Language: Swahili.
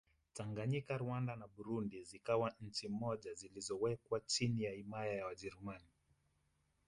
Tanganyika Rwanda na Burundi zikawa nchi moja zilizowekwa chini ya himaya ya Wajerumani